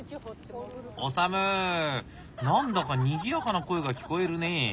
何だかにぎやかな声が聞こえるね。